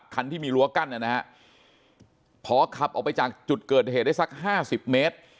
คันที่มีรั้วกั้นนะฮะพอขับออกไปจากจุดเกิดเหตุได้สักห้าสิบเมตร